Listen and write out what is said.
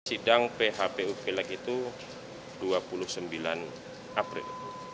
sidang phpu pilek itu dua puluh sembilan april